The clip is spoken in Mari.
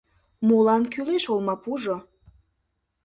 Молан кӱлеш олмапужо